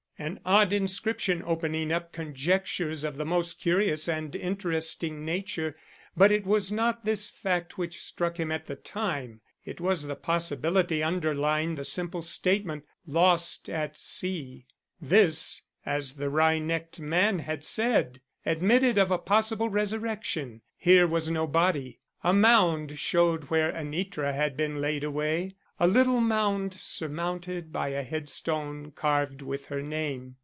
An odd inscription opening up conjectures of the most curious and interesting nature. But it was not this fact which struck him at the time, it was the possibility underlying the simple statement, Lost at sea. This, as the wry necked man had said, admitted of a possible resurrection. Here was no body. A mound showed where Anitra had been laid away; a little mound surmounted by a headstone carved with her name.